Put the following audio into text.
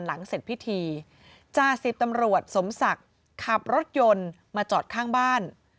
หลังเสร็จพิธีจ่าสิบตำรวจสมศักดิ์ขับรถยนต์มาจอดข้างบ้าน